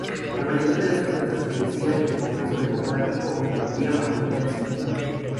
La mayoría de las encuestas predecían que el Congreso Democrático obtendría mayoría simple.